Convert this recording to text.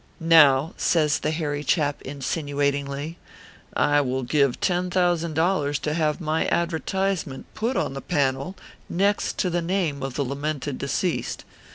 Now," says the hairy chap, insinuatingly, " I will give ten thousand dollars to have my advertisement put on the panel next to the name of the lamented deceased.